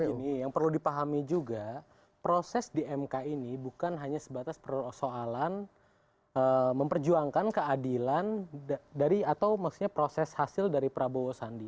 begini yang perlu dipahami juga proses di mk ini bukan hanya sebatas persoalan memperjuangkan keadilan dari atau maksudnya proses hasil dari prabowo sandi